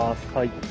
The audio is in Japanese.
はい。